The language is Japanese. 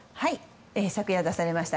昨夜出されました